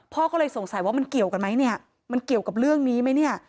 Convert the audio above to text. พ่อก็เลยสงสัยว่ามันเกี่ยวกันไหมเนี่ยมันเกี่ยวกับเรื่องนี้ไหมเนี่ย